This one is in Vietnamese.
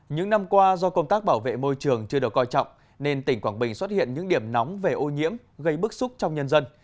những năm qua do công tác bảo vệ môi trường chưa được coi trọng nên tỉnh quảng bình xuất hiện những điểm nóng về ô nhiễm gây bức xúc trong nhân dân